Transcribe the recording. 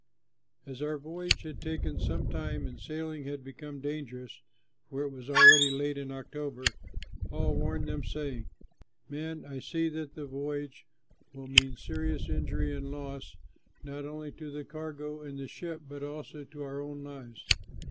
As our voyage had taken some time and sailing had become dangerous (for it was already late in October) Paul warned them, saying, "Men, I see that the voyage will mean serious injury and loss, not only to the cargo and the ship but also to our own lives."